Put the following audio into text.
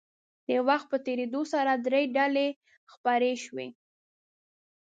د وخت په تېرېدو سره درې ډلې خپرې شوې.